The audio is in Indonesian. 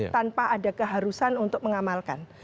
tanpa ada keharusan untuk mengamalkan